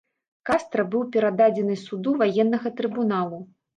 Кастра быў перададзены суду ваеннага трыбуналу.